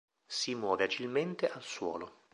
Si muove agilmente al suolo.